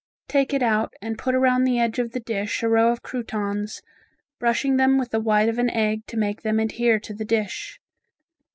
Take it out and put around the edge of the dish a row of croutons, brushing them with the white of an egg to make them adhere to the dish.